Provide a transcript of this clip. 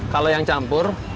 kalau yang campur